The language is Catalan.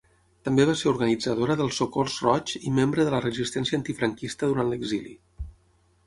També va ser organitzadora del Socors Roig i membre de la resistència antifranquista durant l'exili.